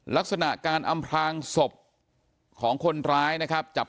ลักษณะการอำพลางศพของคนร้ายนะครับจับ